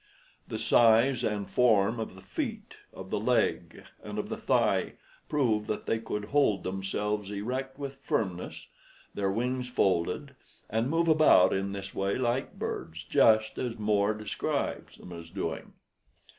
The size and form of the feet, of the leg, and of the thigh prove that they could hold themselves erect with firmness, their wings folded, and move about in this way like birds, just as More describes them as doing.